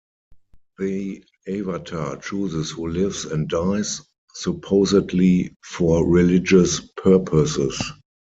The Avatar chooses who lives and dies, supposedly for religious purposes.